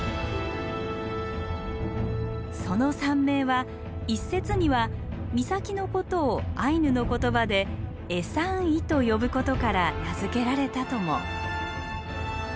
その山名は一説には「岬」のことをアイヌの言葉で「エサンイ」と呼ぶことから名付けられたとも。